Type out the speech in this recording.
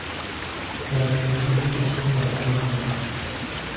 Omuntu yali tasobola kubaawula.